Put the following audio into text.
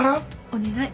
お願い。